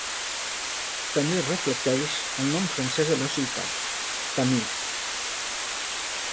També es reflecteix al nom francès de la ciutat, Tamise.